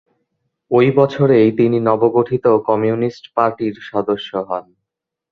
ওই বছরেই তিনি নবগঠিত কমিউনিস্ট পার্টির সদস্য হন।